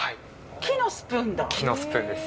木のスプーンです。